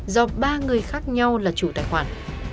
do ba người khác nhau là chủ tài khoản